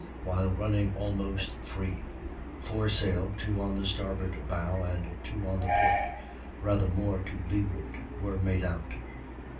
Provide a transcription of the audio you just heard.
while running almost free, four sail, two on the starboard bow, and two on the port, rather more to leeward, were made out.